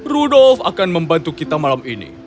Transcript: rudolf akan membantu kita malam ini